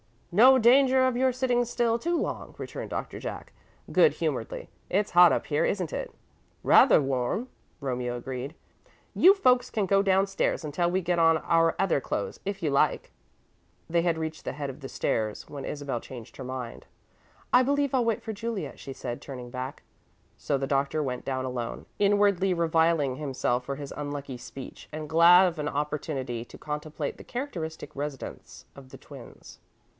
"No danger of your sitting still too long," returned Doctor Jack, good humouredly. "It's hot up here, isn't it?" "Rather warm," Romeo agreed. "You folks can go downstairs until we get on our other clothes, if you like." They had reached the head of the stairs when Isabel changed her mind. "I believe I'll wait for Juliet," she said, turning back. So the Doctor went down alone, inwardly reviling himself for his unlucky speech, and glad of an opportunity to contemplate the characteristic residence of the twins.